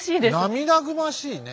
涙ぐましいね。